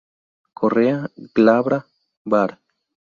Correa glabra var.